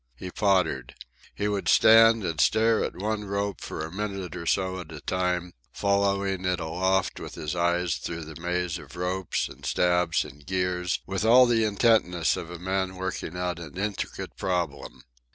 He pottered. He would stand and stare at one rope for a minute or so at a time, following it aloft with his eyes through the maze of ropes and stabs and gears with all the intentness of a man working out an intricate problem.